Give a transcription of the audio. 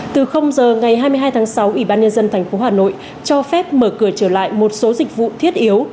từ giờ ngày hai mươi hai tháng sáu ủy ban nhân dân tp hà nội cho phép mở cửa trở lại một số dịch vụ thiết yếu